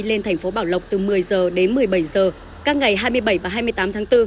lên thành phố bảo lộc từ một mươi h đến một mươi bảy h các ngày hai mươi bảy và hai mươi tám tháng bốn